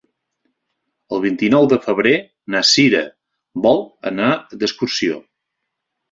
El vint-i-nou de febrer na Sira vol anar d'excursió.